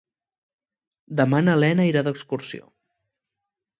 Demà na Lena irà d'excursió.